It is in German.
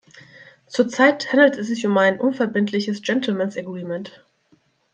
Zur Zeit handelt es sich um ein unverbindliches gentlemen' s agreement.